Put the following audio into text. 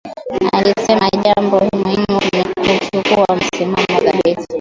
Alisema jambo muhimu ni kuchukua msimamo thabiti